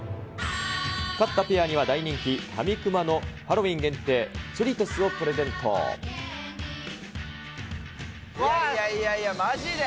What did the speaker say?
勝ったペアには大人気、ハミクマのハロウィン限定、いやいやいや、まじで？